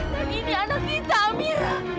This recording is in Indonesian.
dan ini anak kita amira